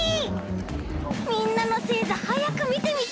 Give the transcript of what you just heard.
みんなのせいざはやくみてみたいな。